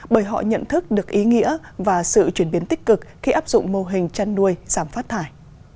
bởi họ nhận thức được ý nghĩa và sự chuyển biến tích cực khi áp dụng mô hình chăn nuôi giảm phát thải